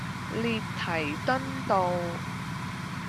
列堤頓道